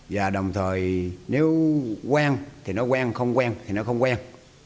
và đồng thời nếu quen thì nó quen không quen thì nó không quen